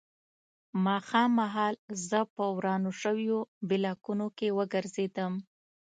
ماښام مهال زه په ورانو شویو بلاکونو کې وګرځېدم